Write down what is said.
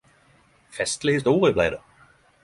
Festleg historie blei det.